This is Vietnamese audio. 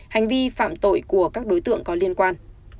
hành vi phạm tội của các đối tượng có liên quan